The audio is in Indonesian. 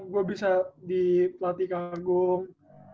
gue bisa di pelatih kehargung